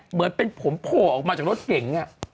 เหมือนเป็นผมโผล่ออกมาจากรถเก๋ง